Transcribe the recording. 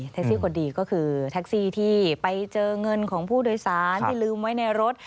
ซี่คนดีก็คือแท็กซี่ที่ไปเจอเงินของผู้โดยสารที่ลืมไว้ในรถ